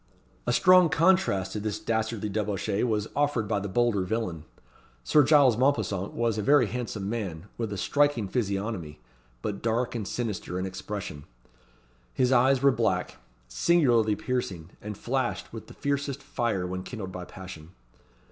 A strong contrast to this dastardly debauchee was offered by the bolder villain. Sir Giles Mompesson was a very handsome man, with a striking physiognomy, but dark and sinister in expression. His eyes were black, singularly piercing, and flashed with the fiercest fire when kindled by passion.